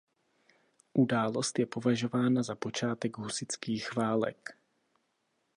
Událost je považována za počátek husitských válek.